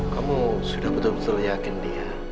kamu sudah betul betul yakin dia